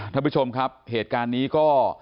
ท่านผู้ชมครับเหตุการณ์นี้ก็